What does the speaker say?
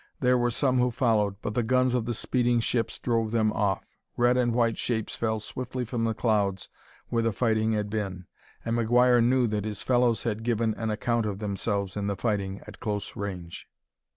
There were some who followed, but the guns of the speeding ships drove them off. Red and white shapes fell swiftly from the clouds where the fighting had been, and McGuire knew that his fellows had given an account of themselves in the fighting at close range.